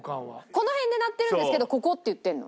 この辺で鳴ってるんですけど「ここ」って言ってるの。